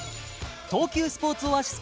東急スポーツオアシス